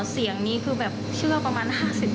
เสียงนี้คือแบบเชื่อประมาณ๕๐